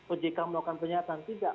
ojk melakukan penyihatan tidak